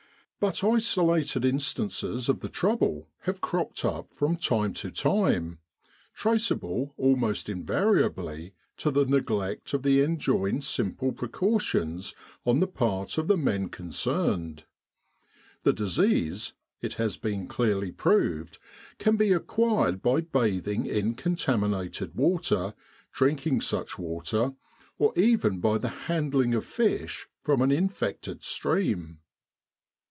But isolated instances of the trouble have cropped up from time to time, traceable almost in variably to the neglect of the enjoined simple pre cautions on the part of the men concerned. The disease, it has been clearly proved, can be acquired by bathing in contaminated water, drinking such water, or even by the handling of fish from an in fected stream.